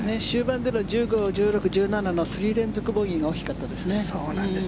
終盤でも１５、１６、１７の３連続ボギーが大きかったですね。